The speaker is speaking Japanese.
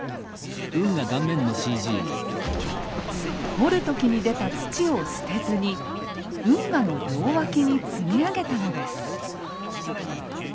掘る時に出た土を捨てずに運河の両脇に積み上げたのです。